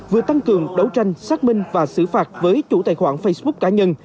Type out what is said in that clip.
vừa tăng cường đấu tranh xác minh và xử phạt với chủ tài khoản facebook cá nhân